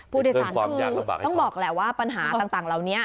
ผู้โดยสารคือต้องบอกแหละว่าปัญหาต่างเหล่านี้